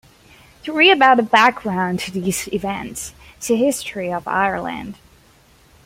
To read about the background to these events, see History of Ireland.